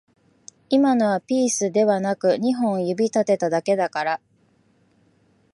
今のはピースではなく二本指立てただけだから